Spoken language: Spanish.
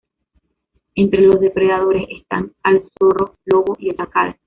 Entre los depredadores están al zorro, lobo y el chacal.